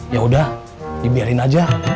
yaudah dibiarin aja